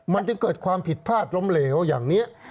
มันจึงเกิดความผิดพลาดล้มเหลวอย่างนี้